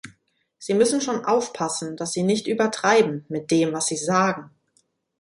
Sie müssen schon aufpassen, dass Sie nicht übertreiben, mit dem, was Sie sagen.